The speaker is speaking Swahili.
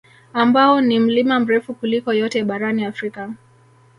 Ambao ni mlima mrefu kuliko yote barani Afrika